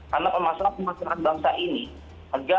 karena permasalahan penghasilan bangsa ini